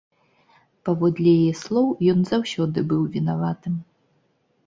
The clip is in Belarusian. Паводле яе слоў ён заўсёды быў вінаватым.